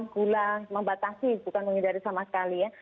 gula membatasi bukan menghindari sama sekali ya